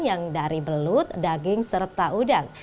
yang dari belut daging serta udang